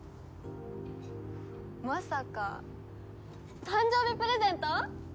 まさか誕生日プレゼント？